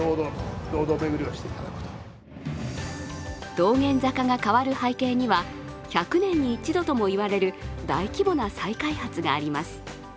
道玄坂が変わる背景には、１００年に一度とも言われる大規模な再開発があります。